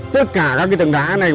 tất cả các cái tầng đá này